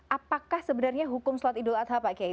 apakah sebenarnya hukum sholat idul adha pak kiai